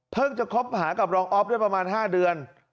จะคบหากับรองออฟได้ประมาณ๕เดือน